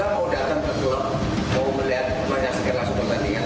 mau melihat mau nyaksikan langsung ke kandingan